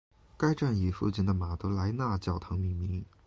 该站以附近的马德莱娜教堂命名。